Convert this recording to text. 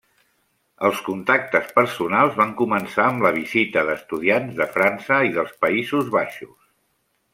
Els contactes personals van començar amb la visita d'estudiants de França i dels Països Baixos.